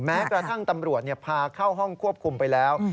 แม้กระทั่งตำรวจพาเข้าห้องควบคุมไปแล้ว